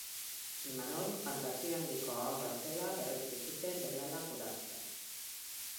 Imanol fantasia handiko haurra zela berretsi zuten berehala gurasoek.